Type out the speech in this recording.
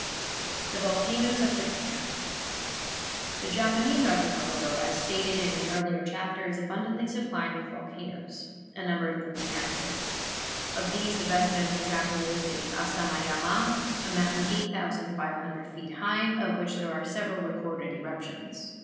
THE VOLCANOES OF JAPAN The Japanese archipelago, as stated in an earlier chapter, is abundantly supplied with volcanoes, a number of them being active. Of these the best known to travelers is Asamayama, a mountain 8,500 feet high, of which there are several recorded eruptions.